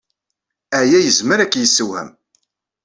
Aya yezmer ad k-yessewhem.